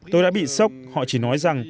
tôi đã bị sốc họ chỉ nói rằng